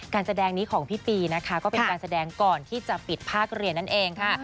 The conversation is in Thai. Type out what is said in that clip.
การแสดงนี้ของพี่ปีนะคะก็เป็นการแสดงก่อนที่จะปิดภาคเรียนนั่นเองค่ะ